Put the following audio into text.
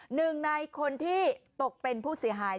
หนึ่งในคนที่ตกเป็นผู้เสียหาย